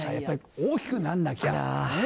大きくなんなきゃねっ。